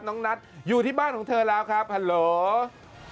นัทอยู่ที่บ้านของเธอแล้วครับฮัลโหล